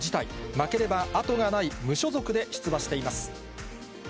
負ければ後がない無所属で出馬しています。